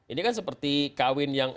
ini kan seperti kawin yang